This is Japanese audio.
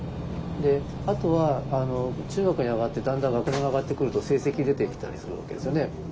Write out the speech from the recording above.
あとは中学に上がってだんだん学年が上がってくると成績出てきたりするわけですよね。